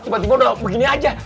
tiba tiba udah begini aja